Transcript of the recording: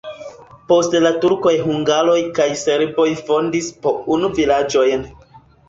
Post la turkoj hungaroj kaj serboj fondis po unu vilaĝojn.